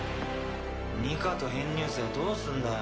ニカと編入生どうすんだよ？